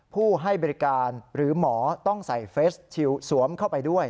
ผู้ให้บริการหรือหมอต้องใส่เฟสชิลสวมเข้าไปด้วย